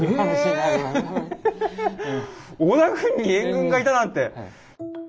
織田軍に援軍がいたなんて！